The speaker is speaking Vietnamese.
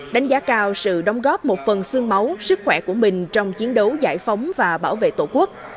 đánh giá cao sự đóng góp một phần xương máu sức khỏe của mình trong chiến đấu giải phóng và bảo vệ tổ quốc